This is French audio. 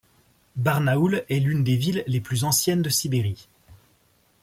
Barnaoul est l'une des villes les plus anciennes de Sibérie.